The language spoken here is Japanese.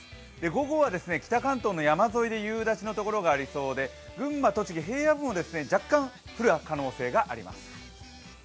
午後は北関東の山沿いで夕立の所がありそうで群馬、栃木、平野部も若干降る可能性があります。